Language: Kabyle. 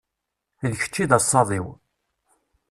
D kečč i d asaḍ-iw.